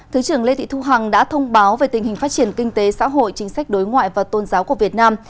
thứ trưởng lê thị thu hằng đã thông báo về tình hình phát triển kinh tế xã hội chính sách đối ngoại và tôn giáo của việt nam